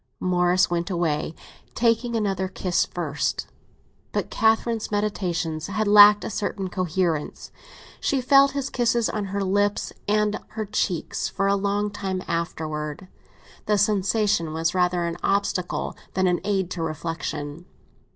Morris went away, taking another kiss first. But Catherine's meditations had lacked a certain coherence. She felt his kisses on her lips and on her cheeks for a long time afterwards; the sensation was rather an obstacle than an aid to reflexion.